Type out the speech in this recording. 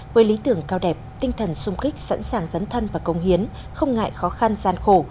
với lý tưởng cao đẹp tinh thần sung kích sẵn sàng dấn thân và công hiến không ngại khó khăn gian khổ